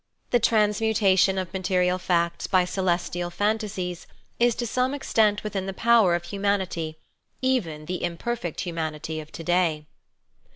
The transmutation of material facts by celestial phantasies is to some extent within the power of humanity, even the imperfect humanity of to day.